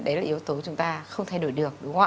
đấy là yếu tố chúng ta không thay đổi được